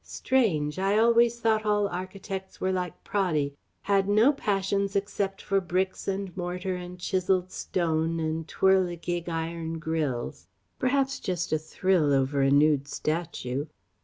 Strange! I always thought all architects were like Praddy had no passions except for bricks and mortar and chiselled stone and twirligig iron grilles ... perhaps just a thrill over a nude statue.